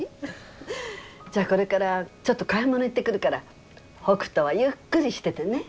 じゃあこれからちょっと買い物行ってくるから北斗はゆっくりしててね。